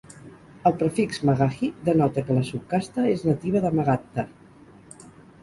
El prefix "magahi" denota que la subcasta és nativa de Magadha.